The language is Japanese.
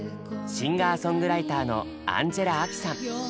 シンガーソングライターのアンジェラ・アキさん。